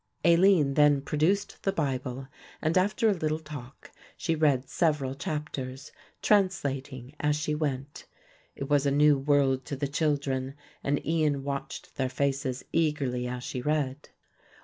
Aline then produced the Bible and after a little talk she read several chapters, translating as she went. It was a new world to the children and Ian watched their faces eagerly as she read.